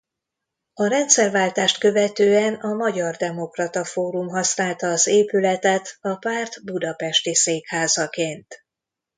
A rendszerváltást követően a Magyar Demokrata Fórum használta az épületet a párt budapesti székházaként.